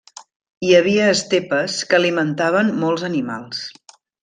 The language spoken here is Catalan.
Hi havia estepes que alimentaven molts animals.